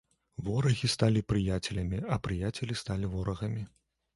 Ворагі сталі прыяцелямі, а прыяцелі сталі ворагамі.